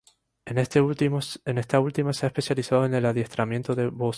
En esta última se ha especializado en el adiestramiento de voceros.